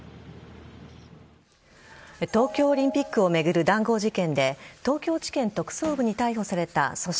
東京オリンピックを巡る談合事件で東京地検特捜部に逮捕された組織